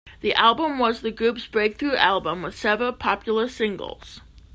The album was the group's breakthrough album with several popular singles.